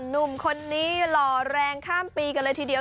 หนุ่มคนนี้หล่อแรงข้ามปีกันเลยทีเดียว